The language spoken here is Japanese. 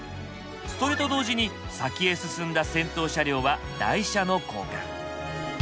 それと同時に先へ進んだ先頭車両は台車の交換。